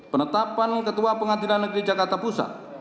penetapan ketua pengadilan negeri jakarta pusat